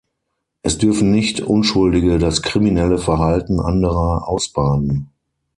Es dürfen nicht Unschuldige das kriminelle Verhalten anderer ausbaden.